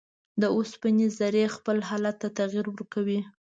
د اوسپنې ذرې خپل حالت ته تغیر ورکوي.